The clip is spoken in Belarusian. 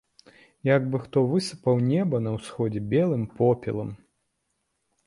Як бы хто высыпаў неба на ўсходзе белым попелам.